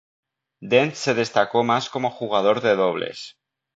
Dent se destacó más como jugador de dobles.